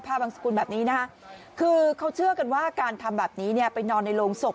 บางสกุลแบบนี้นะคะคือเขาเชื่อกันว่าการทำแบบนี้เนี่ยไปนอนในโรงศพ